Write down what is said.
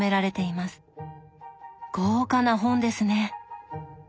豪華な本ですね。